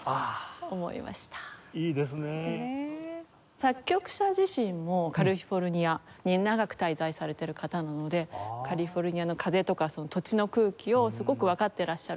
作曲者自身もカリフォルニアに長く滞在されてる方なのでカリフォルニアの風とか土地の空気をすごくわかってらっしゃる。